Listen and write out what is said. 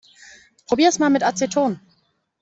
Probier es mal mit Aceton.